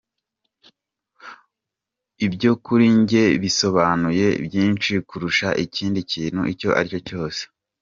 Ibyo kuri njye bisobanuye byinshi kurusha ikindi kintu icyo ari cyo cyose.